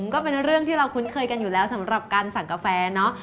ก็เป็นเรื่องที่เราคุ้นเคยกันอยู่แล้วสำหรับการสั่งกาแฟเนาะ